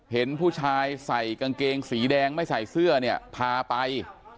เห็นผู้ชายใส่กางเกงสีแดงไม่ใส่เสื้อเนี่ยพาไป